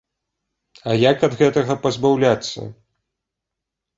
Як ад гэтага пазбаўляцца?